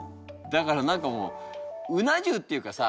だから何かもううな重っていうかさ